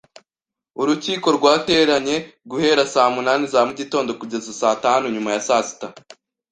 Urukiko rwateranye guhera saa munani za mugitondo kugeza saa tanu nyuma ya saa sita.